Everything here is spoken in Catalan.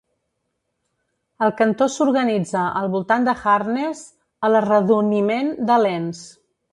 El cantó s'organitza al voltant de Harnes a l'arredoniment de Lens.